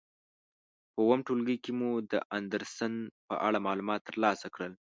په اووم ټولګي کې مو د اندرسن په اړه معلومات تر لاسه کړل.